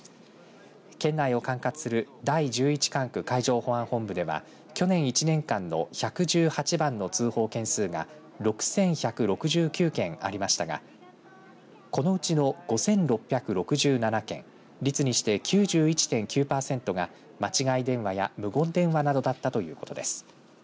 県内を管轄する第１１管区海上保安本部では去年１年間の１１８番の通報件数が６１６９件ありましたがこのうちの５６６７件率にして９１．９パーセントが間違い電話や無言電話だったということです。